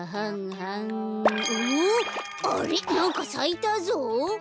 なんかさいたぞ！